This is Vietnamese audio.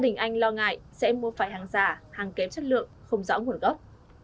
ngại sẽ mua phải hàng giả hàng kém chất lượng không rõ nguồn gốc